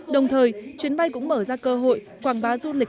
đồng thời chuyến bay cũng mở ra cơ hội quảng bá du lịch